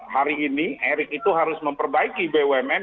hari ini erick itu harus memperbaiki bumn